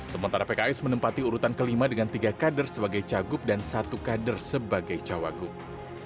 sementara pks menempati urutan kelima dengan tiga kader sebagai cagup dan satu kader sebagai cawagup